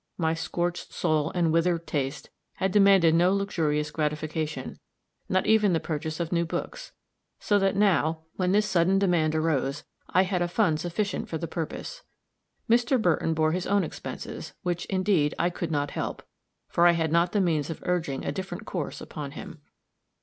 My scorched soul and withered tastes had demanded no luxurious gratification not even the purchase of new books; so that now, when this sudden demand arose, I had a fund sufficient for the purpose. Mr. Burton bore his own expenses, which, indeed, I could not help, for I had not the means of urging a different course upon him.